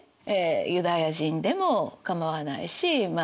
ユダヤ人でもかまわないしま